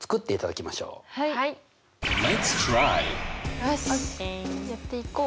よしやっていこう。